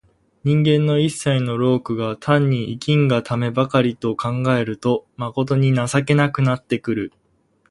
人間の一切の労苦が単に生きんがためばかりと考えると、まことに情けなくなってくる。